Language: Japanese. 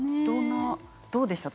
どうでしたか？